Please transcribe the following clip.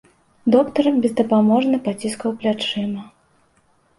Доктар бездапаможна паціскаў плячыма.